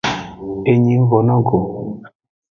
Enyi ng von no go.